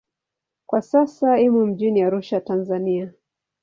Kwa sasa imo mjini Arusha, Tanzania.